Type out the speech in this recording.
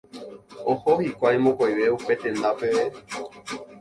Oho hikuái mokõive upe tenda peve.